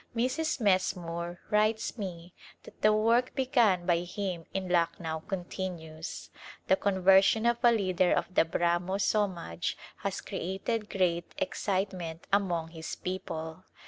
Mrs. Messmore writes me that the work begun by him in Lucknow continues. The conversion of a leader of the Brahmo Somaj has created great excite ment among his people.